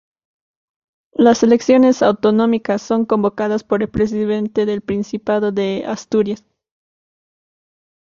Las elecciones autonómicas son convocadas por el presidente del Principado de Asturias.